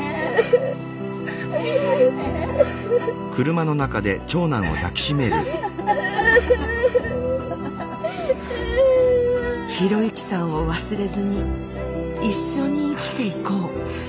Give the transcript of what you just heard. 啓之さんを忘れずに一緒に生きていこう。